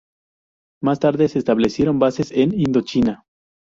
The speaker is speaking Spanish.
Más tarde se establecieron bases en Indochina.